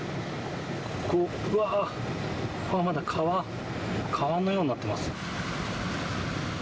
うわー、ここはまだ川のようになってます。